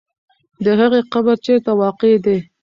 د هغې قبر چېرته واقع دی؟